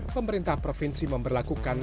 pemerintah provinsi memberlakukan